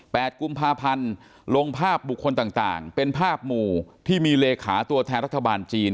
กุมภาพันธ์ลงภาพบุคคลต่างต่างเป็นภาพหมู่ที่มีเลขาตัวแทนรัฐบาลจีน